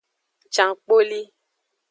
Cankpoli.